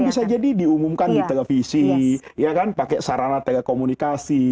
bisa jadi diumumkan di televisi pakai sarana telekomunikasi